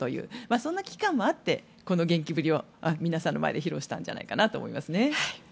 そんな危機感もあってこの元気ぶりを皆さんの前で披露したんじゃないかなと思いますね。